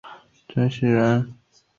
曾铣人。